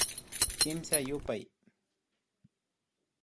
Kimsa yupay